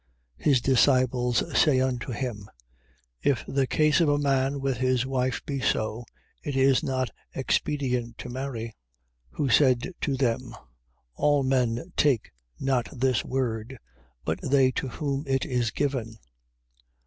His disciples say unto him: If the case of a man with his wife be so, it is not expedient to marry. 19:11. Who said to them: All men take not this word, but they to whom it is given.